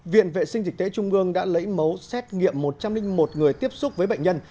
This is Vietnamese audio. viện vệ sinh dịch tế trung ương đã lấy mẫu xét nghiệm một trăm linh một người tiếp xúc với bệnh nhân